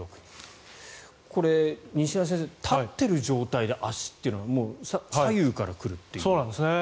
これ、西成先生立っている状態で圧死というのは左右から来るという？